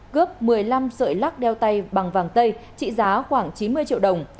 cướp một mươi năm sợi lắc đeo tay bằng vàng tây trị giá khoảng chín mươi triệu đồng